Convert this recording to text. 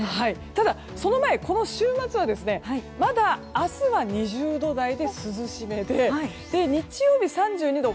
ただ、その前この週末はまだ明日は２０度台で涼しめで日曜日、３２度。